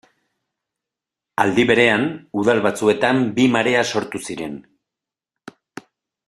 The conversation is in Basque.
Aldi berean, udal batzuetan bi marea sortu ziren.